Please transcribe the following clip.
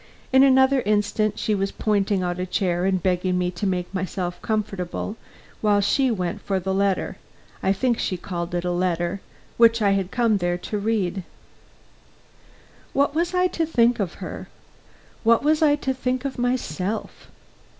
In another instant she was pointing out a chair and begging me to make myself comfortable while she went for the letter (I think she called it a letter) which I had come there to read. What was I to think of her? What was I to think of myself?